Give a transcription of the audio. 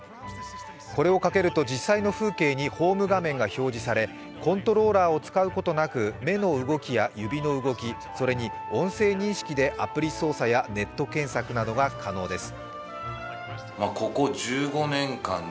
これをかけると実際の風景にホーム画面が表示されコントローラーを使うことなく目の動きや指の動き、それに音声認識でアプリ操作やネット検索などが可能です。